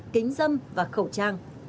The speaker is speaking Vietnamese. kính dâm và khẩu trang